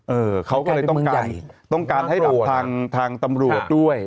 เออเขาก็เลยต้องการให้หลับทางตำรวจด้วย